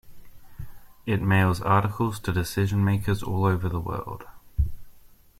It mails articles to decision-makers all over the world.